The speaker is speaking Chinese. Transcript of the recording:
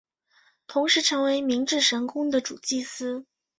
同时成为明治神宫的主祭司。